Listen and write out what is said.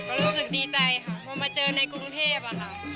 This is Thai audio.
ก็รู้สึกดีใจค่ะพอมาเจอในกรุงเทพอะค่ะ